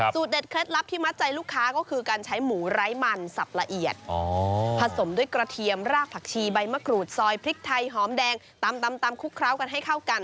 เด็ดเคล็ดลับที่มัดใจลูกค้าก็คือการใช้หมูไร้มันสับละเอียดผสมด้วยกระเทียมรากผักชีใบมะกรูดซอยพริกไทยหอมแดงตำคลุกเคล้ากันให้เข้ากัน